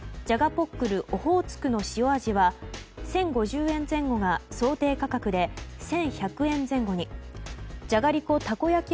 ポックルオホーツクの塩味は１０５０円前後が想定価格で１１００円前後にじゃがりこたこ焼き